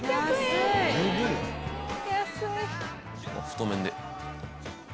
太麺で。